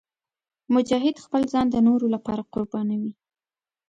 مجاهد خپل ځان د نورو لپاره قربانوي.